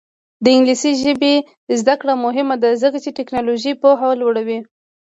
د انګلیسي ژبې زده کړه مهمه ده ځکه چې تکنالوژي پوهه لوړوي.